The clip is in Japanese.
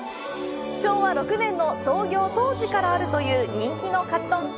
昭和６年の創業当時からあるという人気のカツ丼。